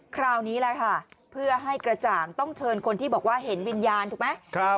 คราวนี้แหละค่ะเพื่อให้กระจ่างต้องเชิญคนที่บอกว่าเห็นวิญญาณถูกไหม